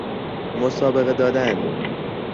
مسابقه دادن